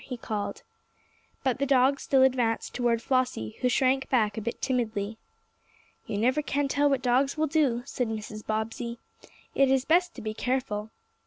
he called. But the dog still advanced toward Flossie, who shrank back a bit timidly. "You never can tell what dogs will do," said Mrs. Bobbsey. "It is best to be careful."